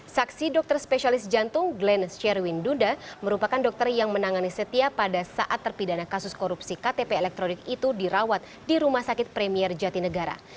saksi dokter spesialis jantung glenn sherwin dunda merupakan dokter yang menangani setia pada saat terpidana kasus korupsi ktp elektronik itu dirawat di rumah sakit premier jatinegara